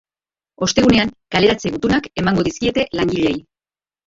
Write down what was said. Ostegunean kaleratze gutunak emango dizkiete langileei.